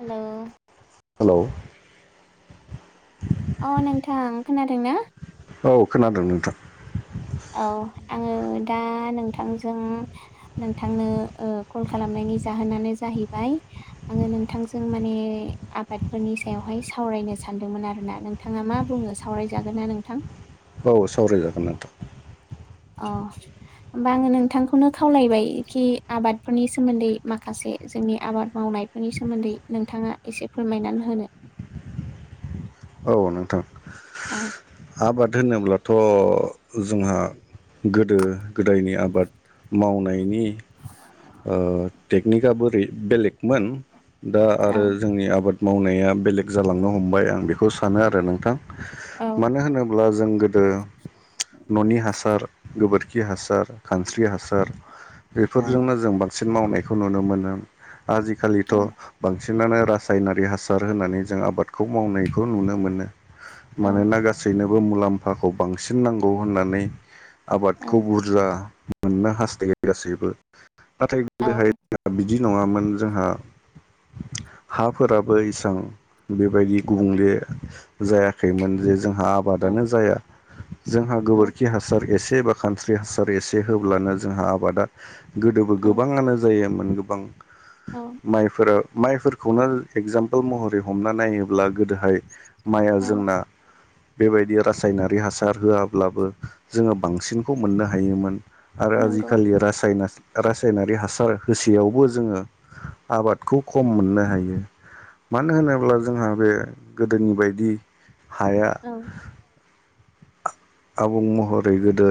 Hello hello अ, नोंथां खोनादों ना? औव खोनादों नोंथां । औव, आंङो दा नोंथांजों नोंथांनो ओ कल खालामनायनि नि जाहोनानो जाहैबाय, आंङो नोंथांजों माने आबादफोरनि सायावहाय सावराय होननै सानदोंमोन आरो ना? नोंथांङा मा बुंङो सावराय जागोन ना नोंथां? औव, सावराय जागोन नोंथां । अ, होमबा आंङो नोंथांखौनो खावलायबाय खि आबादफोरनि सोमोन्दै माखासे जोंनि आबाद मावनायफोरनि सोमोन्दै नोंथांङा एसे फोरमायनानै होनो । [inaudible] औव । औव । आबाद होनोब्लाथ' जोंहा, गोदो-गोदायनि आबाद मावनायनि ओ टेकनिकआ बोरै बेलेग मोन दा औ आरो जोंनि आबाद मावनाया बेलेग जालांनो हमबाय आं बेखौ सानो आरो नोंथां। औ मानो होनोब्ला जों गो दो न'नि हासार, गोबोरखि हासार, खानस्रि हासार औ बेफोरजोंनो जों बांसिन मावनायखौ नुनो मोनो । औ आजि-खालिथ' बां सिनानो रासायनारि हासार होनानै जों आबादखौ मावनायखौ नुनो मोनो। औ मानोना गासैनोबो मुलाम्फाखौ बांसिन नांगौ होननानै आबादखौ बुरजा मोननो हास्थायो गासैबो । नाथाय गोदो हाय औ जों [unintelligible] बिदि नङामोन जोंहा । हा फोराबो इसां बेबायदि गुबुंले, जायाखैमोन । जे हा आबादानो जाया । जोंहा औ गोबोरखि हासार एसे बा खानस्रि हासार एसे होब्लानो जोंहा आबादा गोदोबो गोबांङानो जायामोन । गोबां औ माइफोरा माइफोरखौनो एगजामपुल महरै हमना नायोब्ला गोदोहाय, माइआ औ जोंना बेबायदि रासायनारि हासार होआब्लाबो जोंङो बांसिनखौ मोननो हायोमोन । आरो नंगौ आजि-खालि रासायना [unintelligible] रासायनारि हासार होसेयावबो जोंङो आबादखौ खम मोननो हायो । मानो होनोब्ला, जोंहा बे गोदोनि बायदि हाया औ आबुं महरै गोदो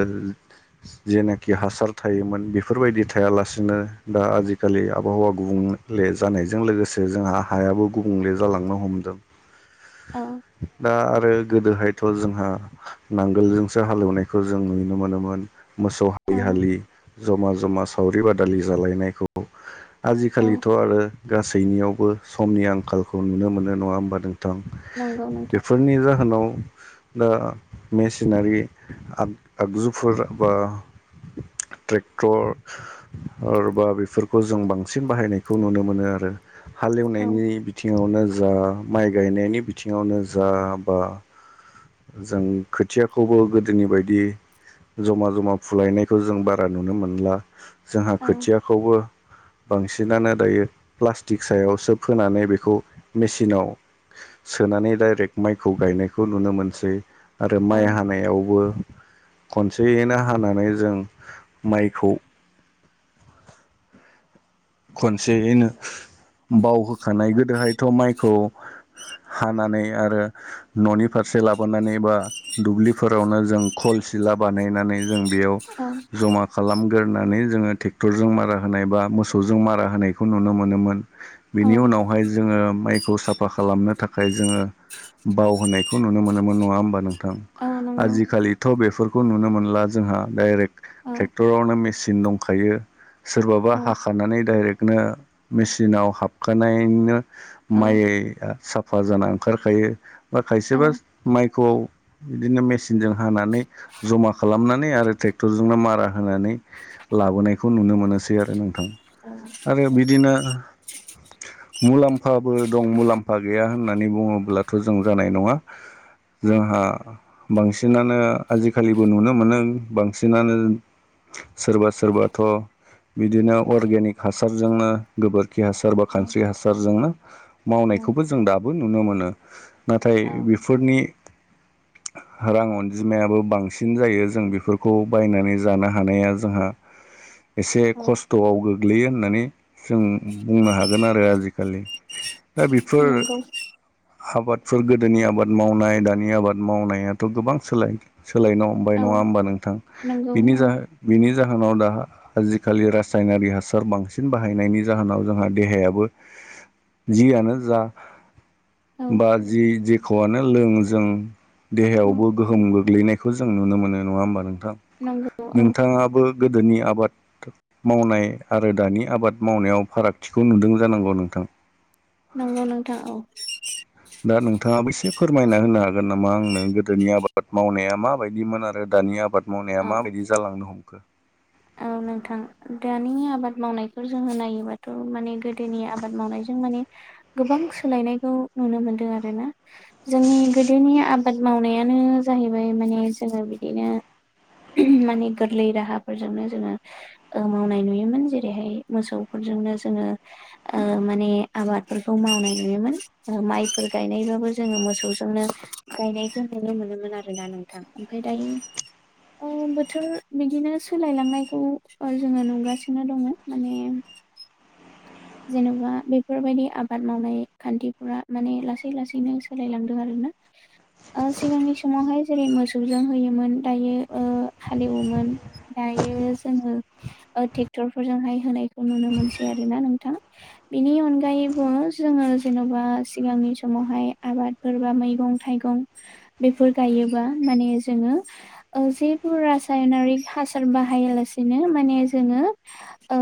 जेनाखि हासार थायोमोन बेफोरबायदि थायालासिनो दा आजि-खालि आब-हावा गुबुं ले जानायजों लोगोसे जोंहा हायाबो गुबुंले जालांनो हमदों । औ दा आरो गोदोहायथ' जोंहा नांगौ [unintelligible] नांगोलजोंसो हाल हेवनायखौ जों नुनो मोनोमोन, मोसौ हलि- औ हालि जमा-जमा, सावरि-बादालि जालाय नायखौ । औ आजि-खालिथ' आरो गासैनियावबो समनि आंखालखौ नुनो मोनो नङा होमबा? नंगौ नोंथां बेफोरनि जाहोनाव दा मेसिनारि आग आगजुफोर बा ट्रेक्टर आरबा बेफोरखौ जों बांसिन बाहायनायखौ नुनो मोनो आरो औ हालेवनायनि बिथिङावनो जा माइ गायनायनि बिथिङावनो जा बा जों खोथियाखौबो गोदोनि बायदि जमा जमा फुलायनायखौ जों बारा नुनो मोनला जोंहा औ खोथियाखौबो बांसिनानो दायो प्लास्टिक सायावसो फोनानै बेखौ मेसिनाव सोनानै डाइरेक माइखौ गायनायखौ नुनो मोनसै आरो औ माइ हानायावबो खनसेयैनो हानानै जों माइखौ खनसेयैनो बाव होखानाय गोदोहायथ' माइखौ हानानै आरो न'नि फारसे लाबोनानै बा दुब्लिफोरावनो जों खल सिला बानायनानै जों बेयाव औ जमा खालामगोरनानै जोङो ट्रेक्टरजों मारा होनाय बा मोस सौजों मारा होनायखौ नुनो मोनोमोन औ बेनि उनावहाय जोङो माइ खौ साफा खालामनो थाखाय जोङो बाव होनायखौ नुनो मोनोमोन नङा होमबा नों थां औ नंगौ आजिखालिथ' बेफोर खौ नुनो मोनला जोंहा डाइरेक औ ट्रेक्टरावनो मेसिन देखायो सोरबाबा औ हा नै डाइरेकनो मेसिनाव हाबखानायनो औ माइ या सा फा जाना ओंखारखायो बा औ खायसेबा माइखौ बिदिनो मेसिनजों हानानै जमा खालामनानै आरो ट्रेक्टरजोंनो मारा होनानै लाबोनायखौ नुनो मोनोसै आरो नोंथां आरो बिदिनो मुलाम्फाबो दं मुलाम्फा गैया होननानै बुङोब्लाथ' जों जानाय नङा औ जोंहा बांसिनानो आजिखालिबो नुनो मोनो बांसिनानो सोरबा सोरबाथ' बिदिनो अर्गेनिक हासारजोंनो गोबोरखि हासार बा खानस्रि हासारजोंनो मावनायखौबो जों दा बो नुनो मोनो नाथाय औ बेफोरनि रां अनजिमायाबो बांसिन जायो जों बेफोरखौ बायनानै जानो हानाया जोंहा [inaudible] एसे औ खस्थ'आव गोग्लैयो होननानै जों बुंनो हागोन आरो आ जिखालि दा बेफोर नंगौ आबादफोर गोदोनि आबाद मावनाय दानि आबाद मावनायाथ' गोबां सोलाय सोलायनो हमबाय औ नङा होमबा नों थां नंगौ बिनि औ जाहो बिनि जाहोनाव दा आजिखालि रा सायनारि हासार बांसिन बाहायनायनि जाहोनाव जोंहा देहायाबो जियानो जा औ बा जि जि खौआनो लों जों देहायावबो गोहोम गोग्लैनायखौ जों नुनो मोनो नङा होमबा नों थां नंगौ औ नोंथाङाबो गोदोनि आबाद मावनाय आरो दानि आबाद मावनायाव फारागथिखौ नुदों जानांगौ नोंथां नंगौ नोंथां औ दा नोंथाङाबो एसे फोरमायना होनो हागोन नामा आंनो गोदोनि आबाद मावनाया माबायदिमोन आरो दानि आबाद मावनाया औ माबायदि जालांनो हमखो औ नोंथां दानि आबाद मावनायखौ जोङो नायोबाथ' माने गोदोनि आबाद मावनायजों माने गोबां सोलायनायखौ नुनो मोनदों आरोना जोंनि गोदोनि आबाद मावनायानो जाहैबाय माने जोङो बिदिनो माने गोरलै राहा फोरजोंनो जोङो मावनाय नुयोमोन जेरैहाय मोसौफोरजोंनो जोङो माने आबादफोरखौ मावनाय नुयोमोन माइफोर गायनायबाबो जोङो मोसौजोंनो गायनायखौ नुनो मोनोमोन आरो ना नोंथां ओमफाय दायो ओ बोथोर बिदिनो सोलायलांनायखौ जोङो नुगासिनो दङ माने जेन'बा बेफोरबायदि आबाद मावनाय खान्थिफोरा माने लासै लासैनो सोलायलांदों आरो ना ओ सिगांनि समावहाय जेरै मोसौजों होयोमोन दायो हालेवोमोन दा रो जोङो ओ ट्रेक्टर फोरजोंहाय होनायखौ नुनो मोनसै आरो ना नोंथां। बिनि अनगायैबो जोङो जेन'बा सिगांनि समावहाय आबादफोर बा मैगं थाइ गं बेफोर गायोबा माने जोंङो ओ जेबो रासायनारि हासार बाहायालासिनो माने जोङो ओ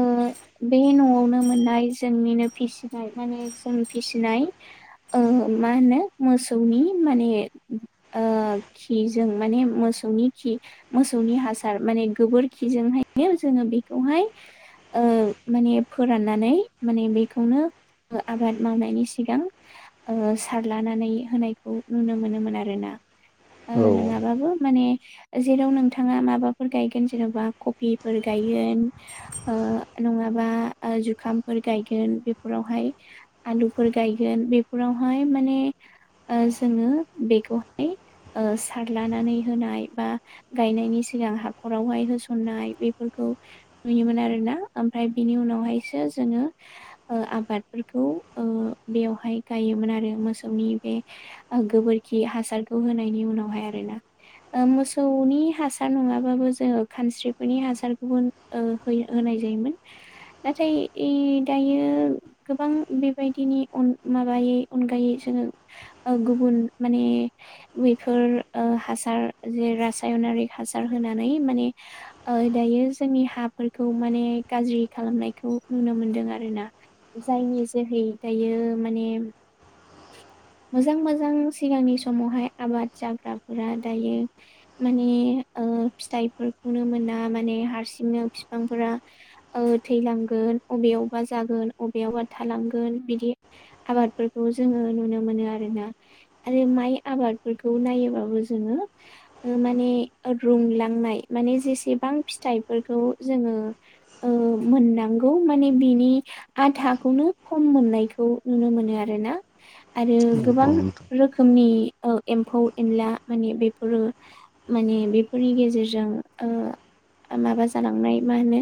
बे न'आवनो मोननाय जोंनिनो फिसिनाय माने जों फिसिनाय ओ मा होनो मोसौ नि माने ओ खिजो माने मोसौनि खि मोसौनि हासार माने गोबोरखिजोंहायनो जोङो बेखौहाय ओ माने फोराननानै माने बेखौनो ओ आबाद मावनायनि सिगां ओ सारलानानै होनायखौ नुनो मोनोमोन आरोना। औ गोबां नङाब्लाबो माने जेराव नोंथाङा माबाफोर गायगोन जेन'बा कपिफोर गायगोन ओ ओ नङाबा ओ जुखाम फोर गायगोन बेफोरावहाय आलुफोर गायगोन बेफोरावहाय माने ओ जोङो बेखौहाय ओ सारलानानै होनाय बा गायनायनि सिगां हाखरावहाय होसननाय बेफोर खौ नुयोमोन आरो ना। ओमफाय बिनि उनावहायसो जोङो ओ आबादफोरखौ ओ बेवहाय गायोमोन आरो मोसौनि बे ओ गोबोरखि हासारखौ होनायनि उनावहाय आरो ना। ओ मोसौनि हासार नङा बाबो जोङो खानस्रिफोरनि हासारखौ होन ओ होयो होनाय जायोमोन। नाथाय इ दायो गोबां बेबायदिनि अन माबायै अनगायै जोङो ओ गुबुन माने बेफोर ओ हासार जे रासायनारि हासार होनानै माने ओ दायो जोंनि हाफोरखौ माने गाज्रि खालामनायखौ नुनो मोनदों आरो ना। जायनि जोहै दायो माने मोजां मोजां सिगांनि समावहाय आबाद जाग्राफोरा दायो माने ओ फिथाइफोरखौनो मोना माने हारसिंनो फिफांफोरा ओ थैलांगो अबेयावबा जागोन अबेयावबा थालांगोन बिदि आबादफोर खौ जोङो नुनो मोनो आरो ना आरो माइ आबादफोरखौ नायोबाबो जोङो ओ माने रुंलांनाय माने जेसेबां फिथाइफोरखौ जोङो ओ ओ मोननांगौ माने बिनि आधाखौनो खम मोननायखौ नुनो मोनो आरो ना आरो गोबां नोंथां रोखोमनि ओ एम्फौ एनला माने बेफोरो माने बेफोरनि गेजेरजों ओ माबा जालांनाय मा होनो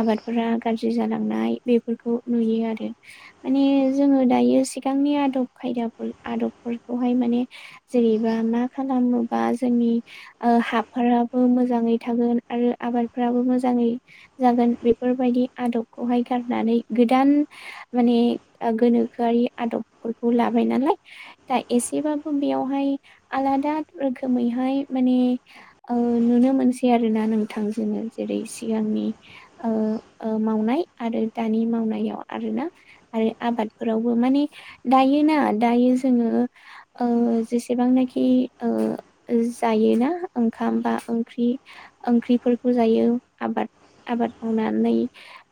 आबादफोरा गाज्रि जालांनाय बेफोरखौ नुयो आरो माने जोङो दायो [unintelligible] थांनि आदब खायदाफोर आदबफोरखौहाय माने जेनेबा मा खालामोबा जोंनि नि ओ हाफोराबो मोजाङै थागोन आरो आबादफ्राबो मोजाङै जागोन बेफोरबायदि आदबखौहाय गारनानै गोदान माने ओ गोनोखोआरि आदबफोरखौ लाबाय नालाय। दा एसेबाबो बेयावहाय आलादा रोखोमै नाय माने ओ नुनो मोनसै आरो ना नोंथां जोङो। जेरै सिगांनि ओ ओ मावनाय आरो दानि मावनायाव आरो ना आरो आबादफोरावबो मानि दायो ना दायो जोङो ओ जेसेबांनाखि ओ [unintelligible] जायो ना ओंखाम बा ओंख्रि ओंख्रिफोरखौ जायो आबाद आबाद मावनानै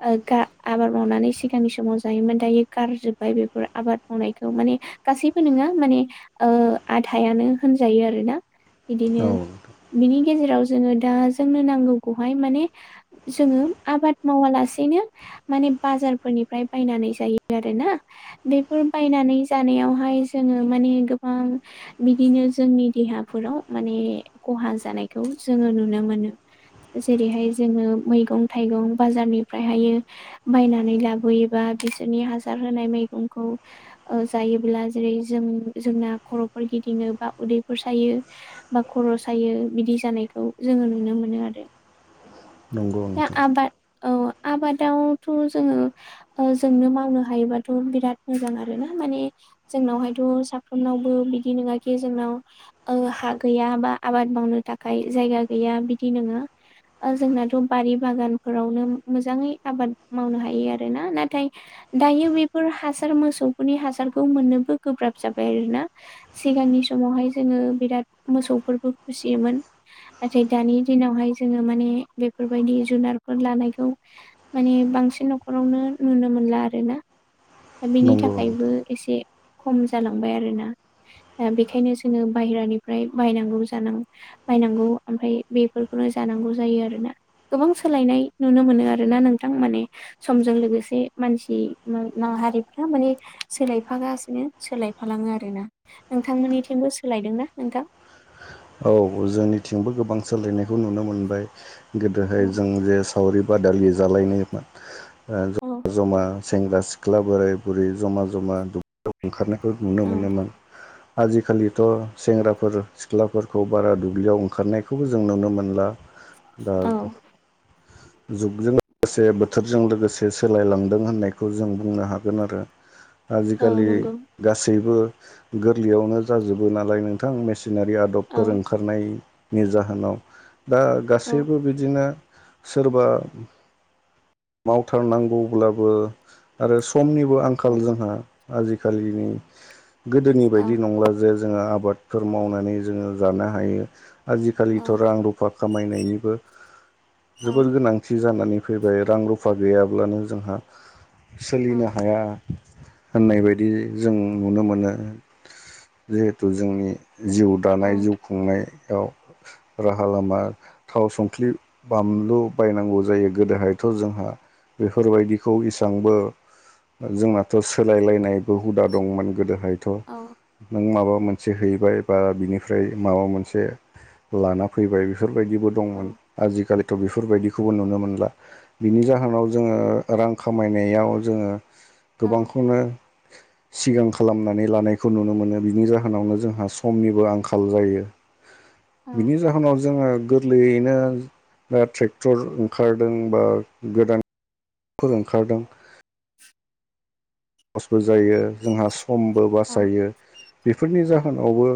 ओ गा आबाद मावनानै सिगांनि समाव जायोमोन दायो गारजोबबाय बेफोर आबाद मावनायखौ माने गासैबो नङा माने ओ आधायानो होनजायो आरो ना। बिदिनो औ नोंथां बिनि गेजेराव जोङो दा जोंनो नांगौखौहाय माने जोङो आबाद मावा लासेनो माने बाजारफोरनिफ्राय बायनानै जायो आरो ना। बेफोर बायनानै जानायावहाय जोङो माने गोबां बिदिनो जोंनि देहाफोर राव माने खहा जानायखौ जोङो नुनो मोनो। जेरैहाय जोङो मैगं थाइगं बाजारनिफ्रायहायो बायनानै लाबोयोबा बिसोरनि हासार होनाय मै गंखौ ओ जायोब्ला जेरै जों जोंना खर'फोर गिदिङो बा उदैफोर सायो बा खर' सायो बिदि जानायखौ जोङो नुनो मोनो आरो नंगौ दा नोंथां। आबाद औ आबादाव थ' जोङो ओ जोंनो मावनो हायोबा थ' बिराद मोजां आरो ना। माने जोंनावहायथ' साफ्रोमनावबो बिदि नङाखि जोंनाव ओ हा गैया बा आबाद मावनो थाखाय जायगा गैया बिदि नोङा। ओ जोंनाथ' बारि बागानफोरावनो मोजाङै आबाद मावनो हायो आरो ना। नाथाय दायो बे फोर हासार मोसौफोरनि हासारखौ मोननोबो गोब्राब जाबाय आरो ना। सिगांनि समावहाय जोङो ओ बिराद मोसौफोरखौ फिसियोमोन। नाथाय दानि दिनावहाय जोङो माने बेफोर बायदि जुनारफोर लानायखौ माने बांसिन नख'रावनो नुनो मोनला आरो ना। दा बेनि नंगौ थाखायबो नोंथां एसे खम जालांबाय आरोना दा बेखायनो जोङो बाहेरानिफ्राय बायनानै जानांगौ बायनांगौ ओमफ्राय बेफोरखौनो जानांगौ जायो आरोना गोबां सोलायनाय नुनो मोनो आरोना नोंथां माने समजों लोगोसे मानसि माहारिफ्रा माने सोलायफागासिनो सोलायफालाङो आरोना नोंथांमोननिथिंबो सोलाय दोंना नोंथां औ जोंनिथिंबो गोबां सोलायनायखौ नुनो मोनबाय औ गोदोहाय जों जे सावरि बादालि जालायनायमोन औ ओ जमा सेंग्रा सिख्ला बोराइ बुरै जमा जमा दुब्लियाव ओंखारनायखौ नुनो औ मोनोमोन आजिखालिथ' सेंग्राफोर सिख्लाफोरखौ बारा दुब्लियाव ओंखारनायखौबो जों नुनो मोनला औ [unintelligible] [inaudible] जुगजों लोगोसे बोथोरजों लोगोसे सोलायलांदों होननायखौ जों बुंनो हागोन आरो औ आजिखालि नंगौ गासैबो गोरलैयावनो जाजोबो नालाय नोंथां मेसिनारि आदब फोर औ ओंखारनायनि जाहोनाव दा औ गासैबो बिदिनो सोरबा मावथारनांगौब्लाबो आरो समनिबो औ आंखाल जोंहा आजिखालिनि गोदोनि बायदि औ नंला जे जोङो आ बादफोर मावनानै जोङो जानो हायो औ आजिखालिथ' रां रुफा खामायनायनिबो औ जोबोर गोनांथि जानानै फैबाय रां रुफा गैयाब्लानो जोंहा सोलिनो औ हाया होननाय बायदि जों नुनो मोनो जिहेथु जोंनि जिउ दानाय जुग [unintelligible] राहा लामा थाव संख्रि बानलु बायनांगौ जायो गोदोहायथ' जोंहा बेफोरबायदिखौ एसेबांबो जोंनाथ' सोलायलायनायबो हुदा दंमोन गोदोहाय औ थ' नों माबा मोनसे हैबाय बा बिनिफ्राय माबा मोनसे लाना फैबाय बेफोरबायदिबो दंमोन आजिखालि थ' बेफोरबायदिखौबो नुनो मोनला बिनि जाहोनाव जोङो रां खामायनायाव जोङो औ गोबांखौनो सिगां खालामनानै लानायखौ नुनो मोनो बिनि जाहोनावनो जोंहा समनिबो आं खाल जायो औ बिनि जाहोनाव जोङो गोरलैयैनो ट्रेक्टर ओंखारदों बा गोदान फोर ओखारदों लसबो जायो जोंहा समबो औ बासायो बेफोरनि जाहोनावबो